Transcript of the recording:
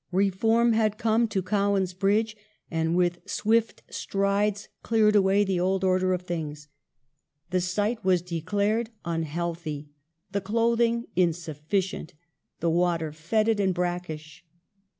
Reform had come to Cowan's Bridge, and with swift strides cleared away the old order of things. The site was declared unhealthy ; the clothing insufficient ; the water fetid and brackish.